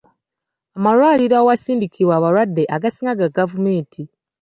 Amalwaliro awasindikibwa abalwadde agasinga ga gavumenti.